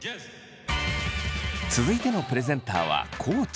続いてのプレゼンターは地。